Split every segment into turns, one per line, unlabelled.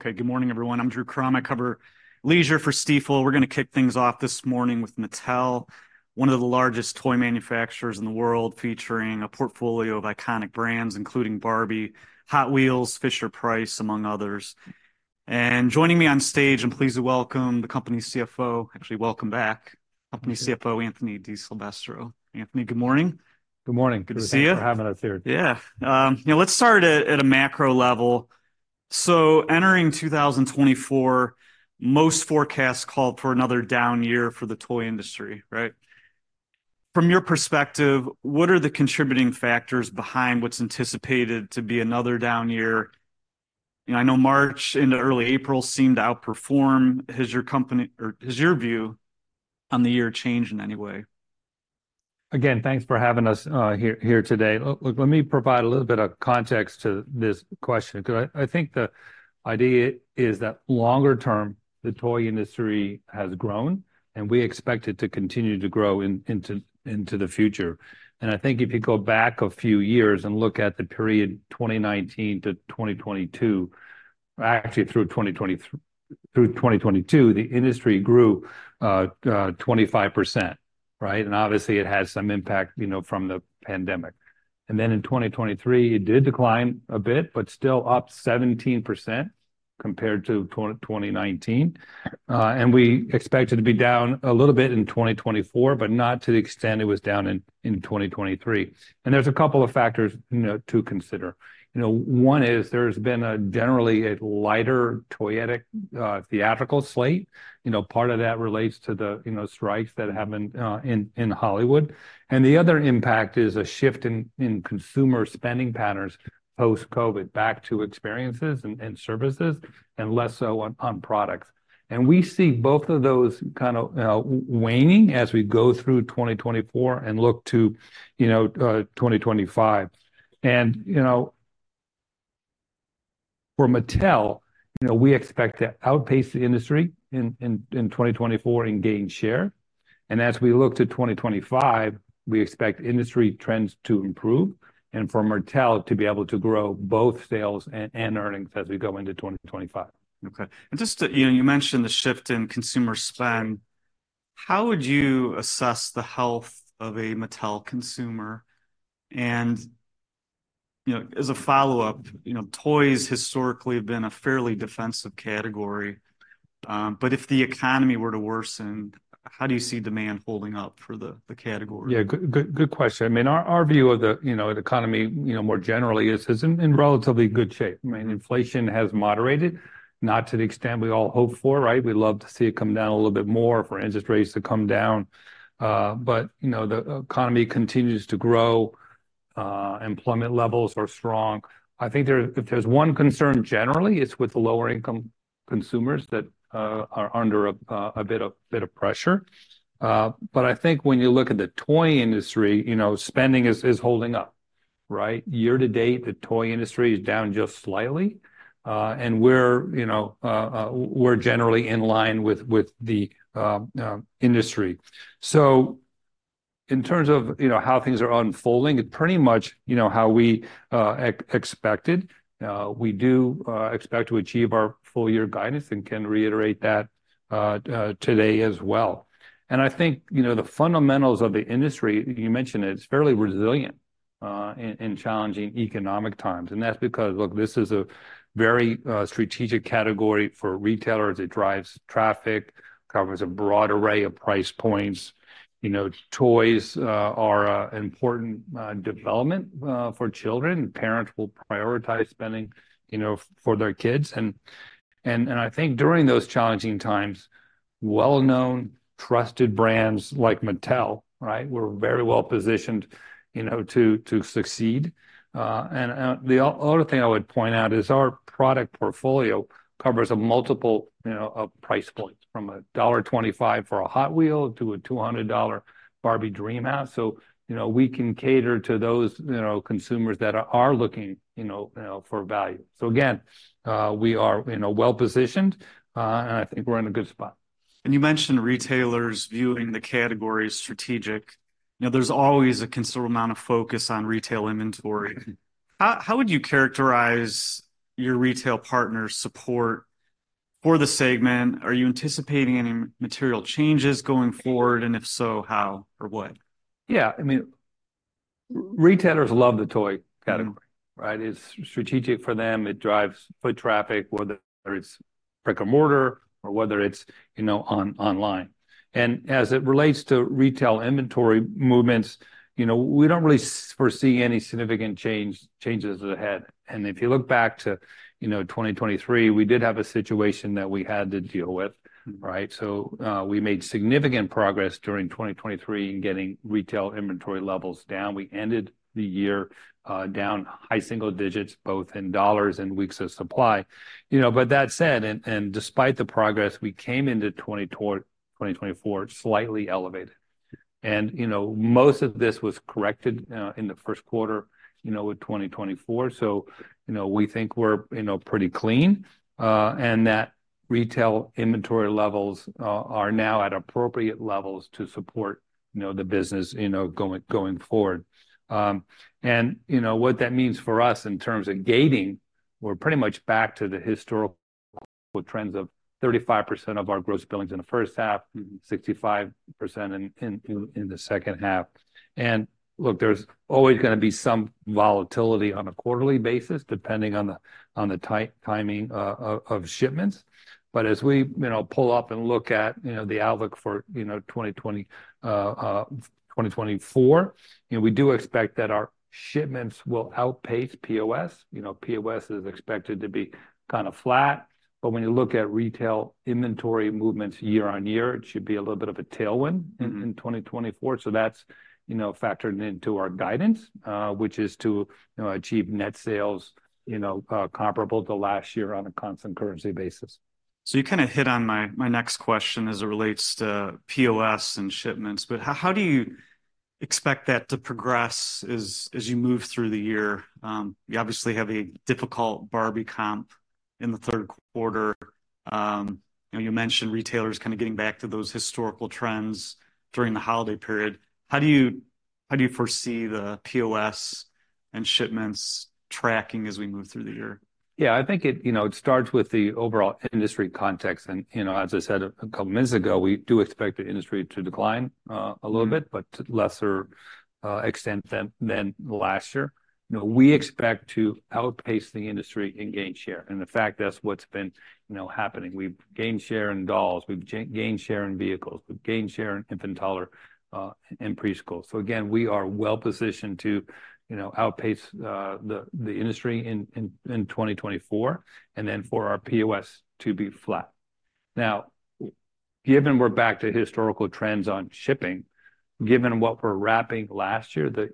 Okay. Good morning, everyone. I'm Drew Crum. I cover leisure for Stifel. We're gonna kick things off this morning with Mattel, one of the largest toy manufacturers in the world, featuring a portfolio of iconic brands, including Barbie, Hot Wheels, Fisher-Price, among others. Joining me on stage, I'm pleased to welcome the company's CFO. Actually, welcome back, company CFO, Anthony DiSilvestro. Anthony, good morning.
Good morning.
Good to see you.
Thanks for having us here.
Yeah. You know, let's start at a macro level. So entering 2024, most forecasts called for another down year for the toy industry, right? From your perspective, what are the contributing factors behind what's anticipated to be another down year? You know, I know March into early April seemed to outperform. Has your company or has your view on the year changed in any way?
Again, thanks for having us here today. Look, let me provide a little bit of context to this question. Because I think the idea is that longer term, the toy industry has grown, and we expect it to continue to grow into the future. And I think if you go back a few years and look at the period 2019 to 2022, actually through 2022, the industry grew 25%, right? And obviously, it had some impact, you know, from the pandemic. And then in 2023, it did decline a bit, but still up 17% compared to 2019. And we expect it to be down a little bit in 2024, but not to the extent it was down in 2023. And there's a couple of factors, you know, to consider. You know, one is there's been a generally a lighter toyetic theatrical slate. You know, part of that relates to the, you know, strikes that happened in Hollywood. And the other impact is a shift in consumer spending patterns, post-COVID, back to experiences and services, and less so on products. And we see both of those kind of waning as we go through 2024 and look to, you know, 2025. And, you know, for Mattel, you know, we expect to outpace the industry in 2024 and gain share. And as we look to 2025, we expect industry trends to improve and for Mattel to be able to grow both sales and earnings as we go into 2025.
Okay. And just to—you know, you mentioned the shift in consumer spend. How would you assess the health of a Mattel consumer? And, you know, as a follow-up, you know, toys historically have been a fairly defensive category, but if the economy were to worsen, how do you see demand holding up for the category?
Yeah, good, good, good question. I mean, our view of the, you know, the economy, you know, more generally, is it's in relatively good shape. I mean, inflation has moderated, not to the extent we all hoped for, right? We'd love to see it come down a little bit more, for interest rates to come down. But, you know, the economy continues to grow, employment levels are strong. I think there, if there's one concern generally, it's with the lower-income consumers that are under a bit of pressure. But I think when you look at the toy industry, you know, spending is holding up, right? Year to date, the toy industry is down just slightly. And we're, you know, we're generally in line with the industry. So in terms of, you know, how things are unfolding, it's pretty much, you know, how we expected. We do expect to achieve our full year guidance and can reiterate that today as well. And I think, you know, the fundamentals of the industry, you mentioned it, it's fairly resilient in challenging economic times. And that's because, look, this is a very strategic category for retailers. It drives traffic, covers a broad array of price points. You know, toys are an important development for children. Parents will prioritize spending, you know, for their kids. And I think during those challenging times, well-known, trusted brands like Mattel, right, we're very well positioned, you know, to succeed. The other thing I would point out is our product portfolio covers a multiple, you know, of price points, from $1.25 for a Hot Wheels to a $200 Barbie Dreamhouse. So, you know, we can cater to those, you know, consumers that are looking, you know, for value. So again, we are, you know, well-positioned, and I think we're in a good spot.
You mentioned retailers viewing the category as strategic. You know, there's always a considerable amount of focus on retail inventory. How would you characterize your retail partners' support for the segment? Are you anticipating any material changes going forward, and if so, how or what?
Yeah, I mean, retailers love the toy category, right? It's strategic for them. It drives foot traffic, whether it's brick-and-mortar or whether it's, you know, online. And as it relates to retail inventory movements, you know, we don't really foresee any significant changes ahead. And if you look back to, you know, 2023, we did have a situation that we had to deal with, right? So, we made significant progress during 2023 in getting retail inventory levels down. We ended the year down high single digits, both in dollars and weeks of supply. You know, but that said, and despite the progress, we came into 2024, slightly elevated. And, you know, most of this was corrected in the first quarter of 2024. So, you know, we think we're, you know, pretty clean, and that-... Retail inventory levels are now at appropriate levels to support, you know, the business, you know, going, going forward. You know, what that means for us in terms of gating, we're pretty much back to the historical trends of 35% of our gross billings in the first half-
Mm-hmm.
65% in the second half. Look, there's always gonna be some volatility on a quarterly basis, depending on the timing of shipments. But as we, you know, pull up and look at, you know, the outlook for, you know, 2024, you know, we do expect that our shipments will outpace POS. You know, POS is expected to be kind of flat, but when you look at retail inventory movements year-over-year, it should be a little bit of a tailwind-
Mm-hmm...
in 2024. So that's, you know, factored into our guidance, which is to, you know, achieve net sales, you know, comparable to last year on a constant currency basis.
So you kind of hit on my next question as it relates to POS and shipments, but how do you expect that to progress as you move through the year? You obviously have a difficult Barbie comp in the third quarter. You know, you mentioned retailers kind of getting back to those historical trends during the holiday period. How do you foresee the POS and shipments tracking as we move through the year?
Yeah, I think it, you know, it starts with the overall industry context. You know, as I said a couple of months ago, we do expect the industry to decline a little bit-
Mm-hmm...
but to a lesser extent than last year. You know, we expect to outpace the industry and gain share, and in fact, that's what's been, you know, happening. We've gained share in dolls, we've gained share in vehicles, we've gained share in infant toddler and preschool. So again, we are well positioned to, you know, outpace the industry in 2024, and then for our POS to be flat. Now, given we're back to historical trends on shipping, given what we're wrapping last year, the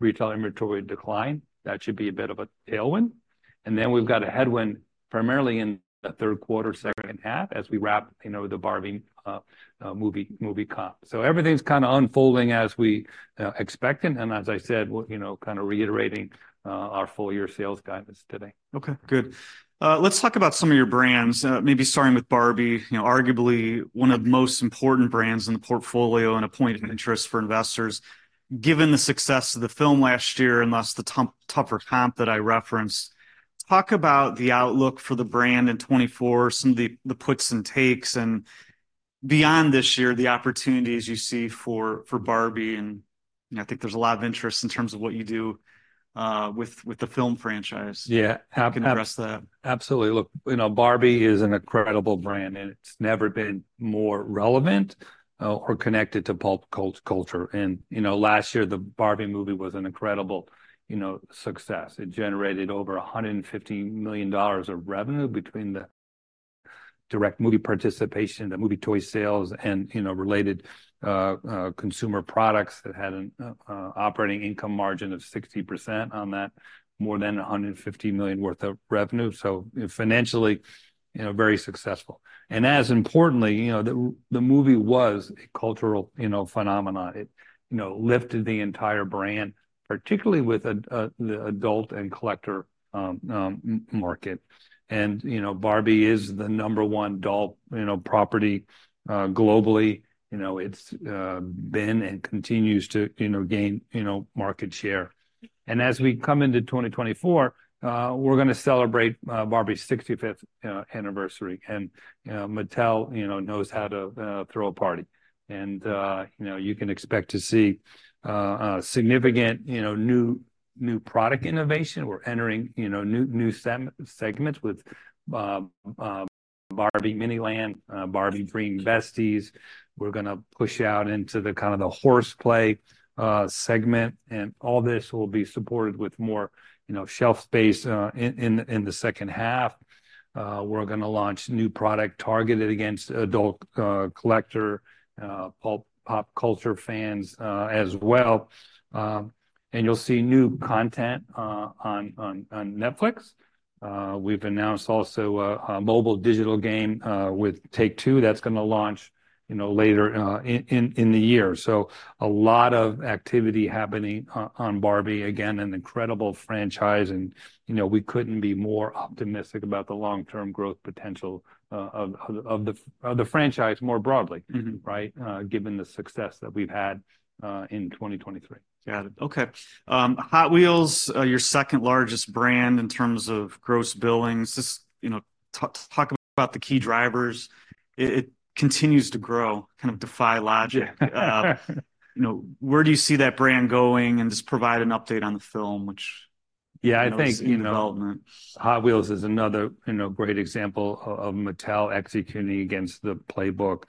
retail inventory decline, that should be a bit of a tailwind. And then we've got a headwind, primarily in the third quarter, second half, as we wrap, you know, the Barbie movie comp. So everything's kind of unfolding as we expected, and as I said, we're, you know, kind of reiterating our full year sales guidance today.
Okay, good. Let's talk about some of your brands, maybe starting with Barbie. You know, arguably one of the most important brands in the portfolio and a point of interest for investors. Given the success of the film last year, and thus the tougher comp that I referenced, talk about the outlook for the brand in 2024, some of the puts and takes, and beyond this year, the opportunities you see for Barbie, and you know, I think there's a lot of interest in terms of what you do with the film franchise.
Yeah, ab-
Can you address that?
Absolutely. Look, you know, Barbie is an incredible brand, and it's never been more relevant, or connected to pop culture. And, you know, last year, the Barbie movie was an incredible, you know, success. It generated over $150 million of revenue between the direct movie participation, the movie toy sales, and, you know, related consumer products that had an operating income margin of 60% on that, more than $150 million worth of revenue. So, financially, you know, very successful. And as importantly, you know, the movie was a cultural, you know, phenomenon. It, you know, lifted the entire brand, particularly with the adult and collector market. And, you know, Barbie is the number one doll, you know, property, globally. You know, it's been and continues to, you know, gain, you know, market share. And as we come into 2024, we're gonna celebrate Barbie's 65th anniversary. And, you know, Mattel, you know, knows how to throw a party. And, you know, you can expect to see a significant, you know, new, new product innovation. We're entering, you know, new, new segments with Barbie MiniLand, Barbie Dream Besties. We're gonna push out into the kind of the horse play segment, and all this will be supported with more, you know, shelf space in the second half. We're gonna launch new product targeted against adult collector pop culture fans as well. And you'll see new content on Netflix. We've announced also a mobile digital game with Take-Two that's gonna launch, you know, later in the year. So a lot of activity happening on Barbie. Again, an incredible franchise, and, you know, we couldn't be more optimistic about the long-term growth potential of the franchise more broadly.
Mm-hmm...
right? Given the success that we've had in 2023.
Got it. Okay. Hot Wheels, your second-largest brand in terms of gross billings, just, you know, talk about the key drivers. It continues to grow, kind of defy logic. You know, where do you see that brand going? And just provide an update on the film, which-
Yeah, I think, you know-
-in development...
Hot Wheels is another, you know, great example of Mattel executing against the playbook,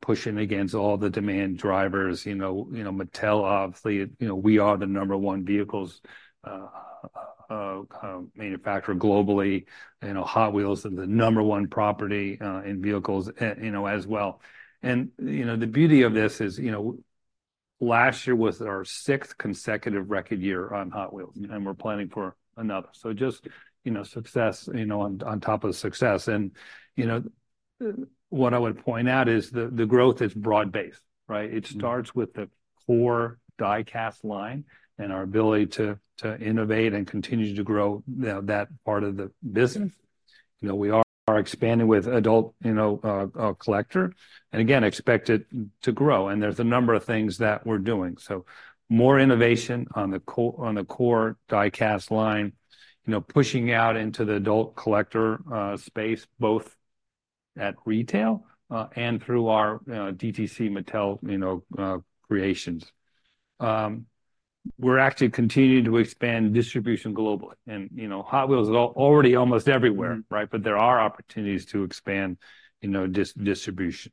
pushing against all the demand drivers. You know, you know, Mattel, obviously, you know, we are the number one vehicles manufacturer globally. You know, Hot Wheels is the number one property in vehicles, you know, as well. And, you know, the beauty of this is, you know, last year was our sixth consecutive record year on Hot Wheels, and we're planning for another. So just, you know, success, you know, on top of success. And, you know, what I would point out is the growth is broad-based, right?
Mm-hmm.
It starts with the core die-cast line and our ability to innovate and continue to grow, you know, that part of the business. You know, we are expanding with adult, you know, collector, and again, expect it to grow, and there's a number of things that we're doing. So more innovation on the core die-cast line, you know, pushing out into the adult collector space, both at retail and through our DTC Mattel, you know, Creations. We're actually continuing to expand distribution globally. And, you know, Hot Wheels is already almost everywhere-
Mm-hmm...
right? But there are opportunities to expand, you know, distribution.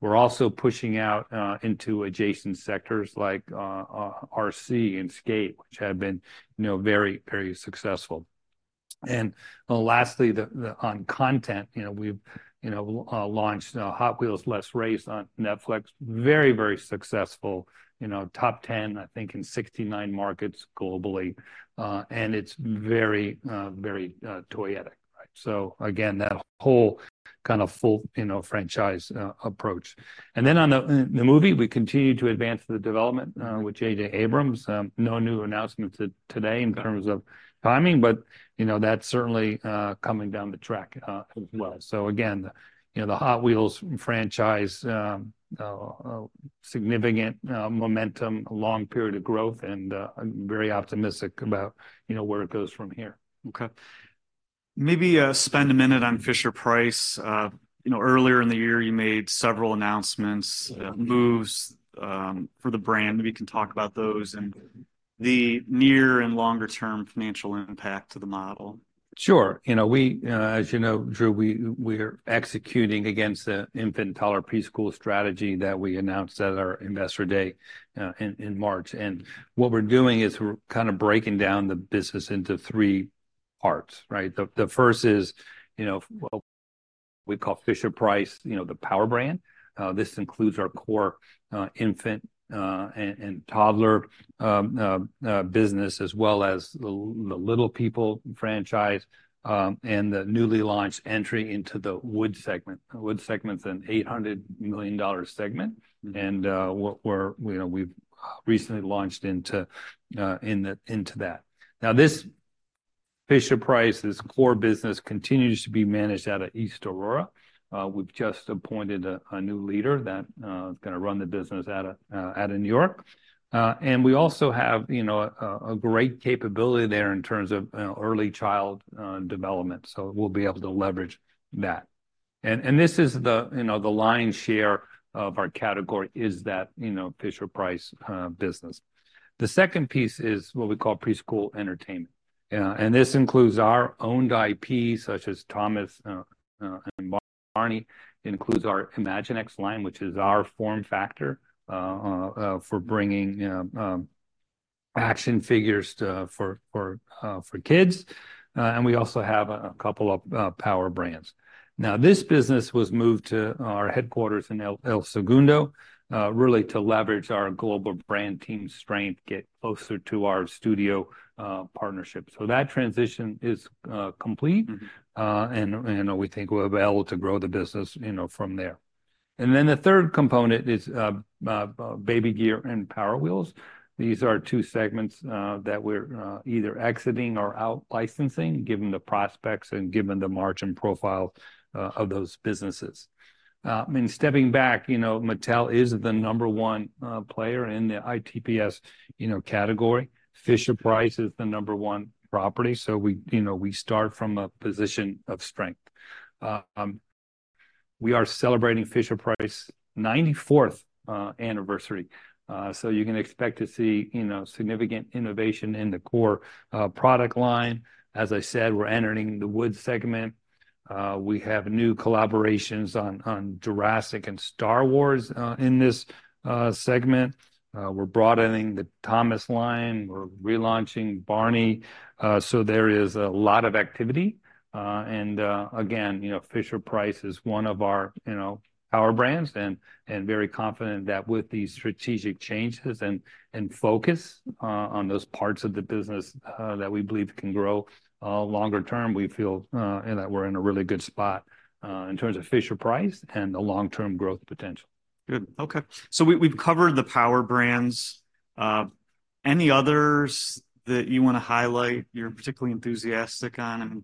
We're also pushing out into adjacent sectors like RC and skate, which have been, you know, very, very successful. And, well, lastly, on content, you know, we've, you know, launched Hot Wheels Let's Race on Netflix. Very, very successful, you know, top 10, I think, in 69 markets globally. And it's very, very toyetic, right? So again, that whole kind of full, you know, franchise approach. And then on the movie, we continue to advance the development with J.J. Abrams. No new announcement today in terms of timing, but, you know, that's certainly coming down the track as well.
Mm-hmm.
So again, you know, the Hot Wheels franchise significant momentum, a long period of growth, and I'm very optimistic about-
Mm...
you know, where it goes from here.
Okay. Maybe, spend a minute on Fisher-Price. You know, earlier in the year, you made several announcements,
Mm-hmm...
moves, for the brand. Maybe you can talk about those and the near and longer-term financial impact to the model. Sure. You know, as you know, Drew, we're executing against the infant, toddler, preschool strategy that we announced at our Investor Day in March. And what we're doing is we're kind of breaking down the business into three parts, right? The first is, you know, we call Fisher-Price the power brand. This includes our core infant and toddler business, as well as the Little People franchise, and the newly launched entry into the wood segment. The wood segment's an $800 million segment- Mm...
and, we're, we're, you know, we've recently launched into, into that. Now, this Fisher-Price's core business continues to be managed out of East Aurora. We've just appointed a new leader that is gonna run the business out of New York. And we also have, you know, a great capability there in terms of, you know, early child development, so we'll be able to leverage that. And this is the, you know, the lion's share of our category, is that, you know, Fisher-Price business. The second piece is what we call preschool entertainment, and this includes our owned IP, such as Thomas and Barney. Includes our Imaginext line, which is our form factor for bringing action figures for kids. We also have a couple of power brands. Now, this business was moved to our headquarters in El Segundo, really to leverage our global brand team strength, get closer to our studio partnerships. That transition is complete.
Mm-hmm.
We think we're well to grow the business, you know, from there. The third component is Baby Gear and Power Wheels. These are two segments that we're either exiting or out licensing, given the prospects and given the margin profile of those businesses. Stepping back, you know, Mattel is the number one player in the ITPs, you know, category. Fisher-Price is the number one property, so we, you know, we start from a position of strength. We are celebrating Fisher-Price 94th anniversary, so you can expect to see, you know, significant innovation in the core product line. As I said, we're entering the wood segment. We have new collaborations on Jurassic and Star Wars in this segment. We're broadening the Thomas line. We're relaunching Barney. So there is a lot of activity. And, again, you know, Fisher-Price is one of our, you know, power brands and very confident that with these strategic changes and focus on those parts of the business that we believe can grow longer term, we feel that we're in a really good spot in terms of Fisher-Price and the long-term growth potential.
Good. Okay. So we, we've covered the power brands. Any others that you want to highlight, you're particularly enthusiastic on? I mean,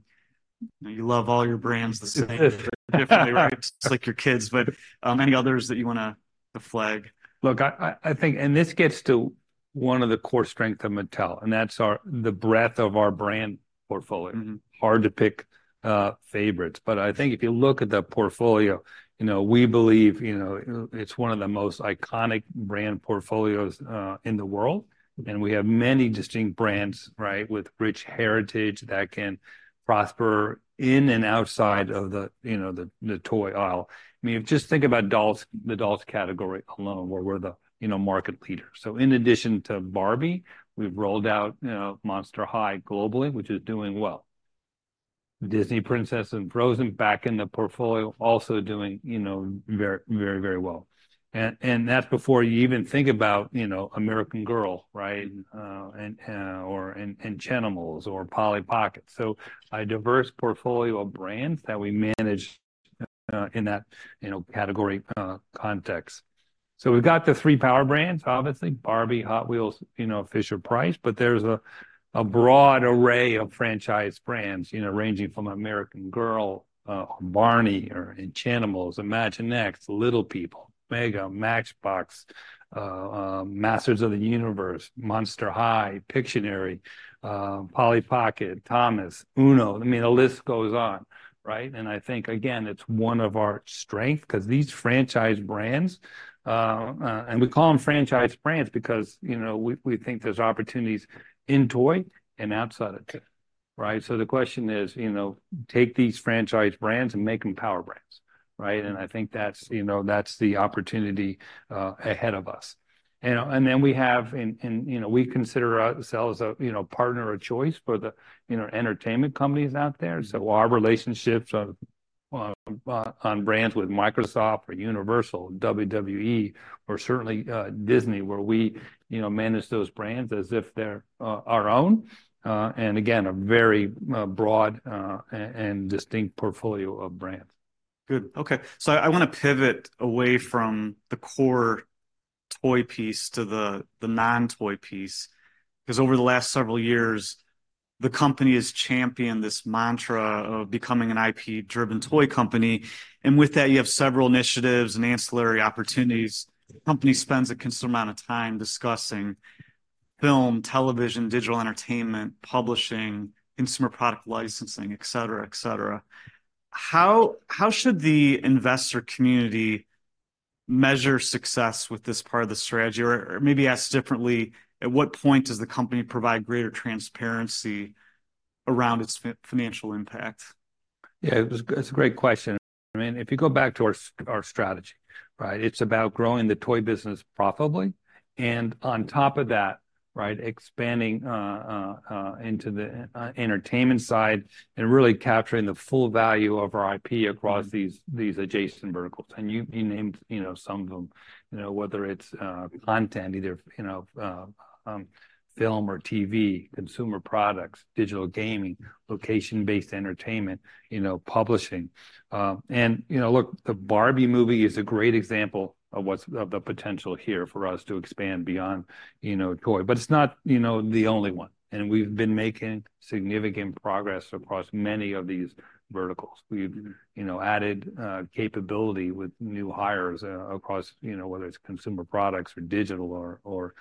you know, you love all your brands the same-... differently, right? It's like your kids, but, any others that you want to flag?
Look, I think, and this gets to one of the core strengths of Mattel, and that's the breadth of our brand portfolio.
Mm-hmm.
Hard to pick, favorites. But I think if you look at the portfolio, you know, we believe, you know, it's one of the most iconic brand portfolios in the world.
Mm.
We have many distinct brands, right, with rich heritage, that can prosper in and outside-
Outside...
of the, you know, the toy aisle. I mean, just think about dolls, the dolls category alone, where we're the, you know, market leader. So in addition to Barbie, we've rolled out, you know, Monster High globally, which is doing well. Disney Princess and Frozen, back in the portfolio, also doing, you know, very, very, very well. And that's before you even think about, you know, American Girl, right? And Enchantimals or Polly Pocket. So a diverse portfolio of brands that we manage... in that, you know, category context. So we've got the three power brands, obviously, Barbie, Hot Wheels, you know, Fisher-Price, but there's a broad array of franchise brands, you know, ranging from American Girl, Barney or Enchantimals, Imaginext, Little People, MEGA, Matchbox, Masters of the Universe, Monster High, Pictionary, Polly Pocket, Thomas, UNO. I mean, the list goes on, right? And I think, again, it's one of our strength, 'cause these franchise brands, and we call 'em franchise brands because, you know, we, we think there's opportunities in toy and outside of toy, right? So the question is, you know, take these franchise brands and make 'em power brands, right? And I think that's, you know, that's the opportunity, ahead of us. You know, we consider ourselves a, you know, partner of choice for the, you know, entertainment companies out there. So our relationships on brands with Microsoft or Universal, WWE, or certainly, Disney, where we, you know, manage those brands as if they're our own. And again, a very broad and distinct portfolio of brands.
Good. Okay, so I wanna pivot away from the core toy piece to the non-toy piece, 'cause over the last several years, the company has championed this mantra of becoming an IP-driven toy company, and with that, you have several initiatives and ancillary opportunities. The company spends a considerable amount of time discussing film, television, digital entertainment, publishing, consumer product licensing, et cetera, et cetera. How should the investor community measure success with this part of the strategy? Or maybe asked differently, at what point does the company provide greater transparency around its financial impact?
Yeah, it's a great question. I mean, if you go back to our strategy, right? It's about growing the toy business profitably, and on top of that, right, expanding into the entertainment side and really capturing the full value of our IP across these adjacent verticals. And you named, you know, some of them, you know, whether it's content, either, you know, film or TV, consumer products, digital gaming, location-based entertainment, you know, publishing. And, you know, look, the Barbie movie is a great example of what's... of the potential here for us to expand beyond, you know, toy. But it's not, you know, the only one, and we've been making significant progress across many of these verticals. We've, you know, added capability with new hires across, you know, whether it's consumer products or digital or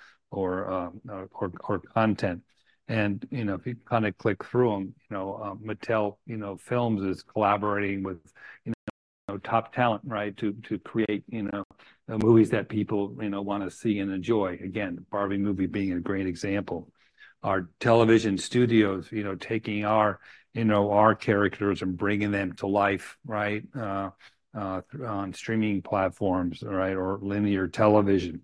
content. And, you know, if you kind of click through 'em, you know, Mattel Films is collaborating with, you know, top talent, right, to create, you know, movies that people, you know, wanna see and enjoy. Again, the Barbie movie being a great example. Our television studios, you know, taking our, you know, our characters and bringing them to life, right, on streaming platforms, right, or linear television.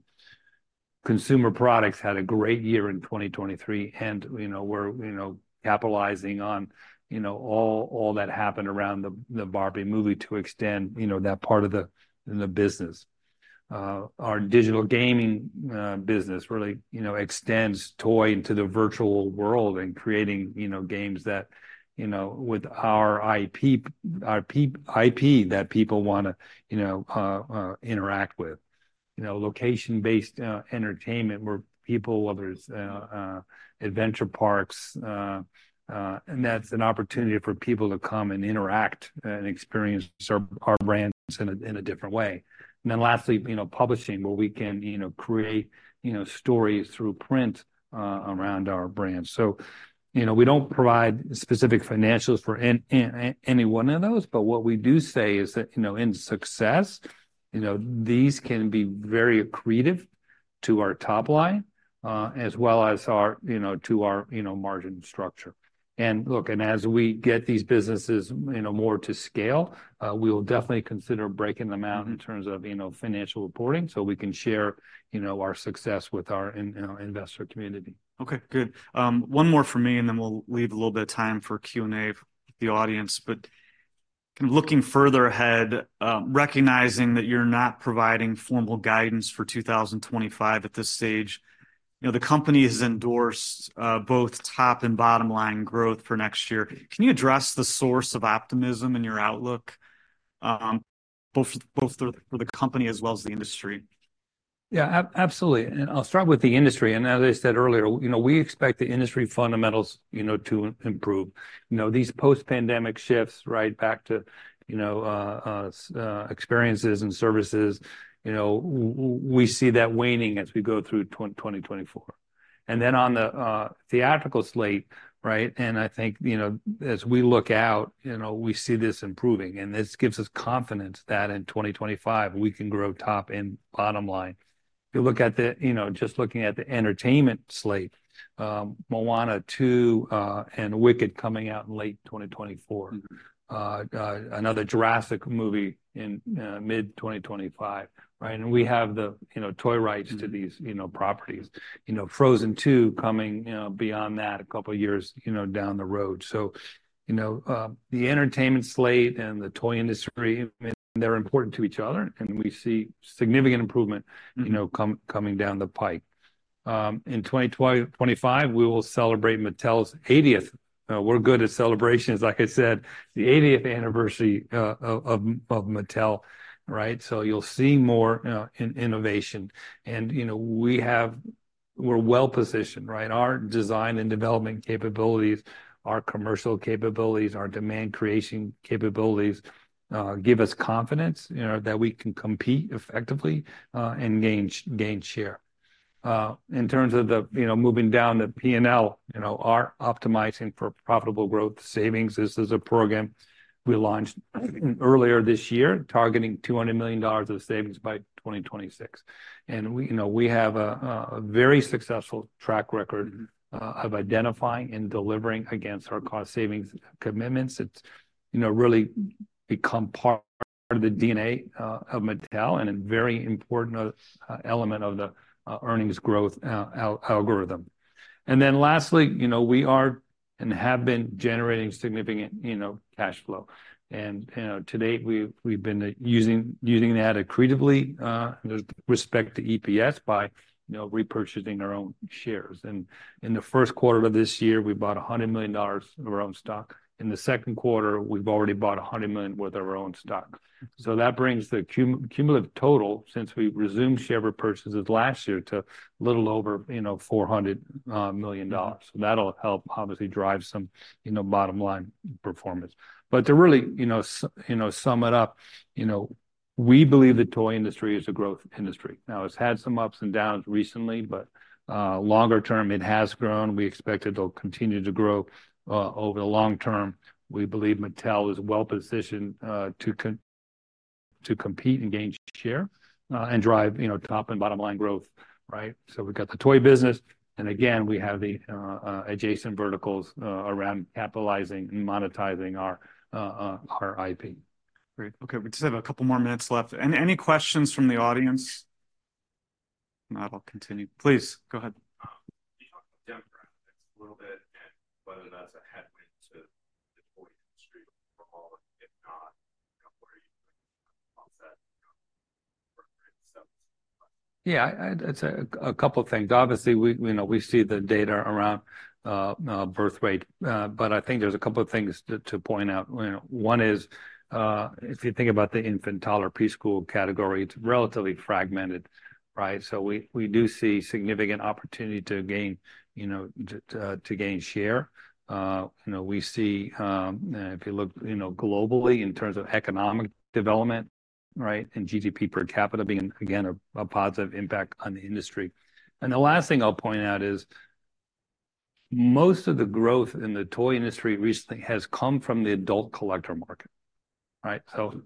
Consumer products had a great year in 2023, and, you know, we're, you know, capitalizing on, you know, all that happened around the Barbie movie to extend, you know, that part of the business. Our digital gaming business really, you know, extends toy into the virtual world and creating, you know, games that, you know, with our IP that people wanna, you know, interact with. You know, location-based entertainment, where people, whether it's adventure parks. And that's an opportunity for people to come and interact and experience our brands in a different way. And then lastly, you know, publishing, where we can, you know, create, you know, stories through print around our brands. So, you know, we don't provide specific financials for any one of those, but what we do say is that, you know, in success, you know, these can be very accretive to our top line as well as our, you know, to our, you know, margin structure. And look, as we get these businesses, you know, more to scale, we will definitely consider breaking them out in terms of, you know, financial reporting, so we can share, you know, our success with our investor community.
Okay, good. One more from me, and then we'll leave a little bit of time for Q&A with the audience. But kind of looking further ahead, recognizing that you're not providing formal guidance for 2025 at this stage, you know, the company has endorsed both top and bottom line growth for next year. Can you address the source of optimism in your outlook, both for the company as well as the industry?
Yeah, absolutely. And I'll start with the industry, and as I said earlier, you know, we expect the industry fundamentals, you know, to improve. You know, these post-pandemic shifts, right, back to, you know, experiences and services, you know, we see that waning as we go through 2024. And then on the theatrical slate, right, and I think, you know, as we look out, you know, we see this improving, and this gives us confidence that in 2025, we can grow top and bottom line. If you look at the... You know, just looking at the entertainment slate, Moana 2 and Wicked coming out in late 2024.
Mm-hmm.
Another Jurassic movie in mid-2025, right? And we have the, you know, toy rights-
Mm...
to these, you know, properties. You know, Frozen 2 coming, you know, beyond that, a couple years, you know, down the road. So, you know, the entertainment slate and the toy industry, they're important to each other, and we see significant improvement-
Mm...
you know, coming down the pipe. In 2025, we will celebrate Mattel's 80th... we're good at celebrations. Like I said, the 80th anniversary of Mattel, right? So you'll see more in innovation. And, you know, we're well-positioned, right? Our design and development capabilities, our commercial capabilities, our demand creation capabilities give us confidence, you know, that we can compete effectively and gain share. In terms of the, you know, moving down the P&L, you know, our Optimizing for Profitable Growth savings, this is a program we launched earlier this year, targeting $200 million of savings by 2026. And we, you know, we have a very successful track record of identifying and delivering against our cost savings commitments. It's, you know, really become part of the DNA of Mattel and a very important element of the earnings growth algorithm. And then lastly, you know, we are and have been generating significant, you know, cash flow. And, you know, to date, we've been using that accretively with respect to EPS by, you know, repurchasing our own shares. And in the first quarter of this year, we bought $100 million of our own stock. In the second quarter, we've already bought $100 million worth of our own stock. So that brings the cumulative total since we resumed share repurchases last year to a little over $400 million. So that'll help obviously drive some, you know, bottom-line performance. But to really, you know, sum it up, you know, we believe the toy industry is a growth industry. Now, it's had some ups and downs recently, but, longer term, it has grown. We expect it'll continue to grow, over the long term. We believe Mattel is well positioned, to compete and gain share, and drive, you know, top and bottom line growth, right? So we've got the toy business, and again, we have the adjacent verticals around capitalizing and monetizing our our IP.
Great. Okay, we just have a couple more minutes left. Any, any questions from the audience? If not, I'll continue. Please, go ahead.
You talked demographics a little bit, and whether that's a headwind to the toy industry or if not, where you offset?
Yeah, I'd say a couple of things. Obviously, we, you know, we see the data around birth rate, but I think there's a couple of things to point out. You know, one is, if you think about the infant, toddler, preschool category, it's relatively fragmented, right? So we do see significant opportunity to gain, you know, to gain share. You know, we see, if you look, you know, globally in terms of economic development, right, and GDP per capita being, again, a positive impact on the industry. And the last thing I'll point out is most of the growth in the toy industry recently has come from the adult collector market, right? So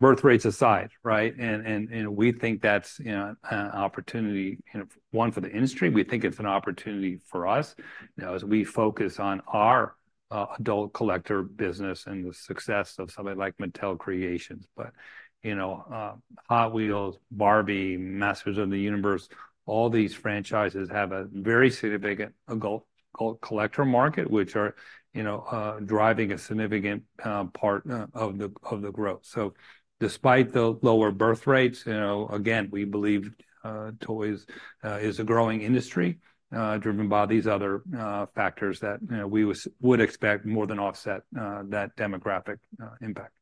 birth rates aside, right? And we think that's, you know, an opportunity, you know, one, for the industry. We think it's an opportunity for us, you know, as we focus on our adult collector business and the success of somebody like Mattel Creations. But, you know, Hot Wheels, Barbie, Masters of the Universe, all these franchises have a very significant adult collector market, which are, you know, driving a significant part of the growth. So despite the lower birth rates, you know, again, we believe toys is a growing industry driven by these other factors that, you know, we would expect more than offset that demographic impact.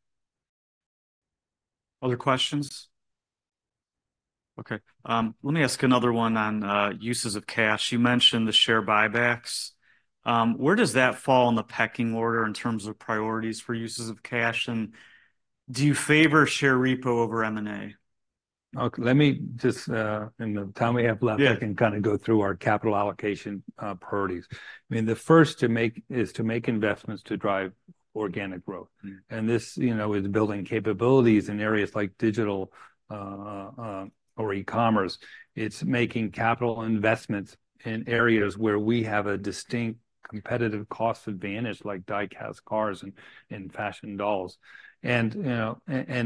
Other questions? Okay, let me ask another one on uses of cash. You mentioned the share buybacks. Where does that fall in the pecking order in terms of priorities for uses of cash, and do you favor share repo over M&A?
Okay, let me just, in the time we have left-
Yeah...
I can kind of go through our capital allocation priorities. I mean, the first to make, is to make investments to drive organic growth.
Mm.
This, you know, is building capabilities in areas like digital or e-commerce. It's making capital investments in areas where we have a distinct competitive cost advantage, like die-cast cars and fashion dolls. And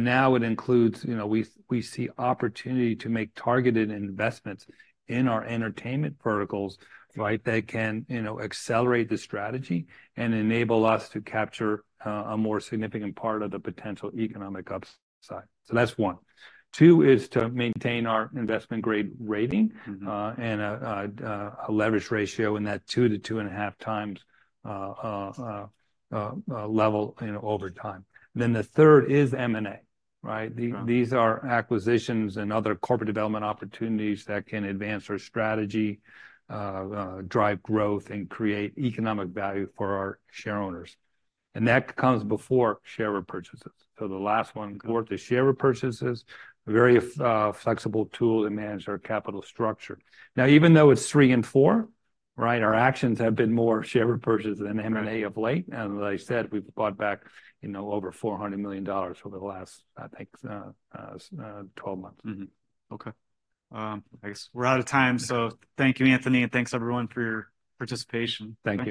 now it includes, you know, we see opportunity to make targeted investments in our entertainment verticals, right?
Mm.
That can, you know, accelerate the strategy and enable us to capture a more significant part of the potential economic upside. So that's one. Two is to maintain our investment-grade rating-
Mm-hmm...
and a leverage ratio in that 2-2.5 times level, you know, over time. Then the third is M&A, right?
Yeah.
These are acquisitions and other corporate development opportunities that can advance our strategy, drive growth, and create economic value for our share owners. And that comes before share repurchases. So the last one, fourth, is share repurchases, a very flexible tool to manage our capital structure. Now, even though it's three and four, right, our actions have been more share repurchase than M&A of late.
Mm.
As I said, we've bought back, you know, over $400 million over the last, I think, 12 months.
Mm-hmm. Okay, I guess we're out of time. So thank you, Anthony, and thanks, everyone, for your participation.
Thank you.